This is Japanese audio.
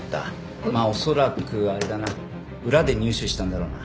まあ恐らくあれだな裏で入手したんだろうな。